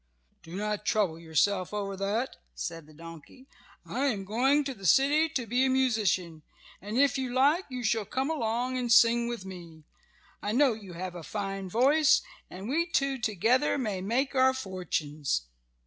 "Do not trouble yourself over that," said the donkey. "I am going to the city to be a musician, and if you like you shall come along and sing with me. I know you have a fine voice, and we two together may make our fortunes."